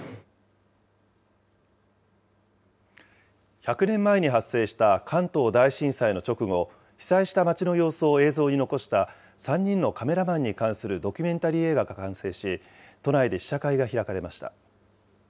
１００年前に発生した、関東大震災の直後、被災した街の様子を映像に残した３人のカメラマンに関するドキュメンタリー映画が完成し、都内で試写会が開かれました。